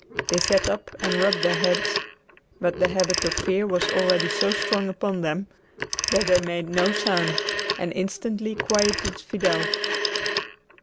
They sat up and rubbed their heads, but the habit of fear was already so strong upon them that they made no sound and instantly quieted Fidel.